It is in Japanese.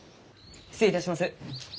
失礼いたします。